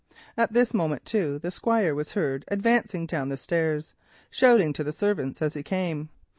At this moment the Squire was heard advancing down the stairs, shouting to the servants as he came.